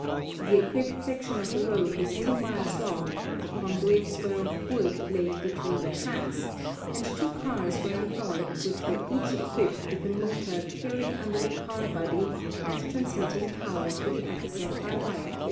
The equipped section of the road was 2 miles long, the conduits were of wood laid between the tracks, and two cars were employed which were each equipped with a motor carried under the car body and transmitting power to the axle by wire cables.